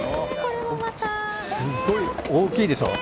すごい大きいでしょ。